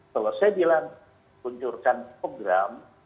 kalau saya bilang kuncurkan program